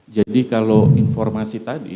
jadi kalau informasi tadi